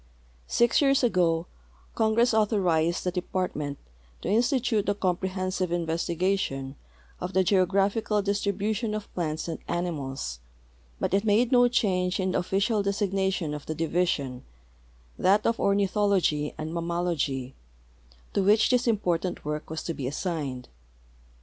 Six years ago Congress authorized the Department to institute a compre hensive investigation of the geographical distribution of plants and animals, but it made no change in the official designation of the division — that of Ornithology and Mammalogy — to which this important work was to be assigned.